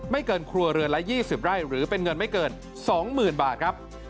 เกินครัวเรือนละ๒๐ไร่หรือเป็นเงินไม่เกิน๒๐๐๐บาทครับ